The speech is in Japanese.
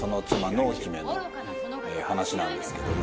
濃姫の話なんですけども。